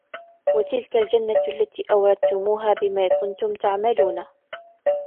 وَتِلْكَ الْجَنَّةُ الَّتِي أُورِثْتُمُوهَا بِمَا كُنْتُمْ تَعْمَلُونَ